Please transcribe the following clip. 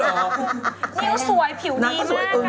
ให้พี่แพ็กซ์แพ็กซ์ให้ด้วย